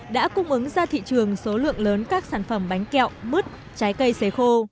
đã cung ứng ra thị trường số lượng lớn các sản phẩm bánh kẹo mứt trái cây xế khô